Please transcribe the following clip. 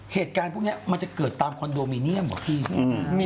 เหตุการณ์พวกเนี้ยมันจะเกิดตามคอนโดมีเนียม